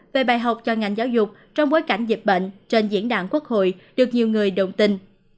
về bài học cho ngành giáo dục trong bối cảnh dịch bệnh trên diễn đàn quốc hội được nhiều người đồng tin